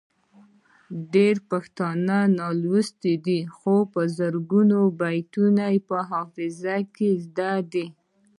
ډیری پښتانه نالوستي دي خو په زرګونو بیتونه یې په حافظه کې زده دي.